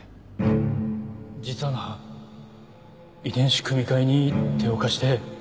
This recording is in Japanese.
実はな遺伝子組み換えに手を貸して